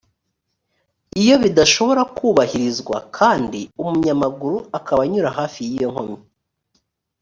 iyo bidashobora kubahirizwa kandi umunyamaguru akaba anyura hafi y’iyo nkomyi